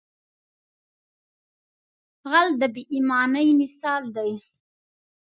غل د بې ایمانۍ مثال دی